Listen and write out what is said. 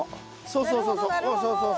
そうそうそうそう。